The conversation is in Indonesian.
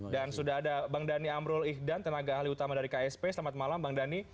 sudah ada bang dhani amrul ihdan tenaga ahli utama dari ksp selamat malam bang dhani